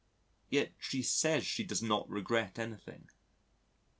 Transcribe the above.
Yet she says she does not regret anything.